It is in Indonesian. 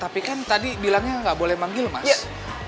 tapi kan tadi bilangnya nggak boleh manggil mas